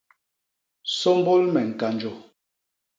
Sômbôl me ñkanjô.